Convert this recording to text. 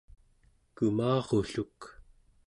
kumarulluk